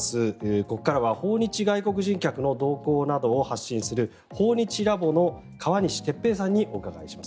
ここからは訪日外国人客の動向などを発信する訪日ラボの川西哲平さんにお伺いします。